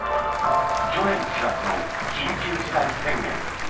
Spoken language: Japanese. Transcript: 去年４月の緊急事態宣言。